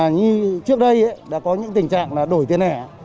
như trước đây đã có những tình trạng đổi tiền lẻ